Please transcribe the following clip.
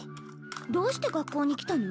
どうして学校に来たの？